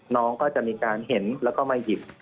น้องก็จะมีการเห็นแล้วก็มาหยิบ